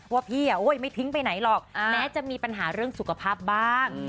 ว่าพี่ไม่ทิ้งไปไหนหรอกแม้จะมีปัญหาเรื่องสุขภาพบ้าง